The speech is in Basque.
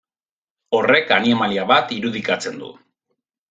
Horrek animalia bat irudikatzen du.